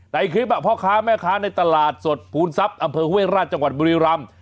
ในคลิปพ่อค้าแม่ค้าในตลาดสดภูมิทรัพย์อำเภอห้วยราชจังหวัดบุรีรำ